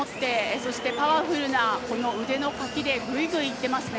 そしてパワフルなこの腕のかきでぐいぐい、いっていますね。